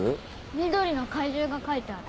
緑の怪獣が描いてある。